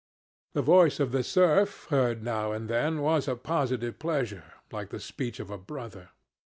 The voice of the surf heard now and then was a positive pleasure, like the speech of a brother.